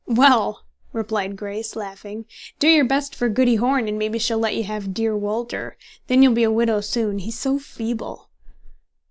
"Well," replied Grace, laughing, "do your best for Goody Horn, and maybe she'll let you have 'dear Walter.' Then you'll be a widow soon, he's so feeble."